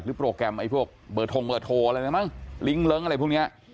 โปรแกรมไอ้พวกเบอร์ทงเบอร์โทรอะไรนะมั้งลิงก์เลิ้งอะไรพวกนี้